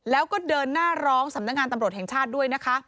แล้วก็เดินหน้าร้องสำนักงานตำรวจแห่งชาติด้วยนะคะ